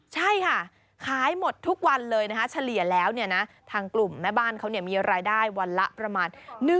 ใช่ค่ะขายหมดทุกวันเลยนะคะเฉลี่ยแล้วเนี่ยนะทางกลุ่มแม่บ้านเขามีรายได้วันละประมาณ